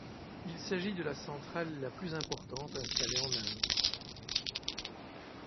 Il s'agit de la centrale la plus importante installée en Inde.